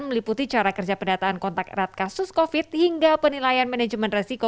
meliputi cara kerja pendataan kontak erat kasus covid hingga penilaian manajemen resiko